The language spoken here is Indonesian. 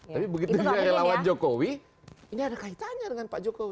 tapi begitu juga relawan jokowi ini ada kaitannya dengan pak jokowi